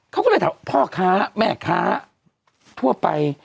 เขาก็เลยถามพ่อค้าแม่ค้าทั่วไป